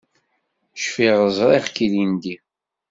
Cfiɣ ẓriɣ-k ilindi.